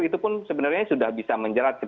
itu pun sebenarnya sudah bisa menjerat